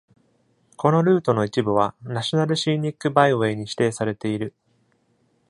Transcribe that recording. このルートの一部は、ナショナル・シーニック・バイウェイに指定されている。